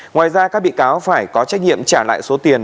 ngoài ra các bị cáo phải có trách nhiệm trả lại số tiền